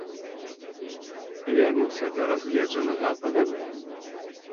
Вернемся да разгледжанага апавядання.